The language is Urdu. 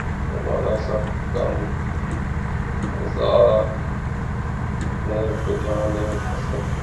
زمانہ سخت کم آزار ہے بجانِ اسد